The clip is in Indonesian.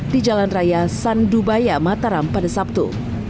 di jalan raya san dubaya mataram pada sabtu